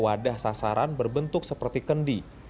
pemainnya memiliki sasaran berbentuk seperti kendi